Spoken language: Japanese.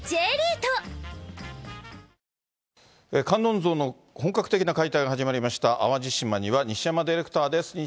観音像の本格的な解体が始まりました淡路島には西山ディレクターです。